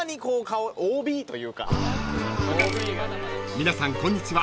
［皆さんこんにちは